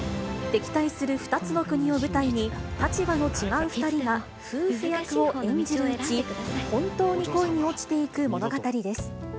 敵対する２つの国を舞台に、立場の違う２人が夫婦役を演じるうち、本当に恋に落ちていく物語です。